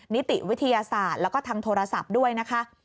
นิติวิทยาศาสตร์แล้วก็ทางโทรศัพท์ด้วยนะคะ